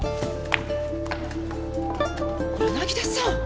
柳田さん！